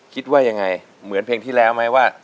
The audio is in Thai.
คิดว่ายังไงเหมือนเพลงที่แล้วไหมว่า